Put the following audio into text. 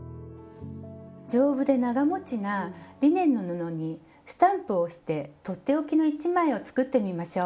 丈夫で長もちなリネンの布にスタンプを押して取って置きの１枚を作ってみましょう。